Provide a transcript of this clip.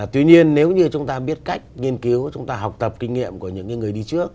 tuy nhiên nếu như chúng ta biết cách nghiên cứu chúng ta học tập kinh nghiệm của những người đi trước